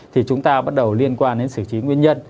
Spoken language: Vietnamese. thì chúng ta bắt đầu liên quan đến xử trí nguyên nhân